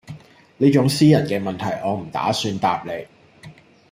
呢種私人問題我唔打算答你